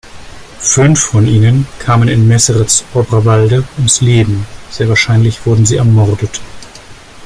Fünf von ihnen kamen in Meseritz-Obrawalde ums Leben, sehr wahrscheinlich wurden sie ermordet.